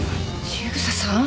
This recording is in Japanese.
千草さん？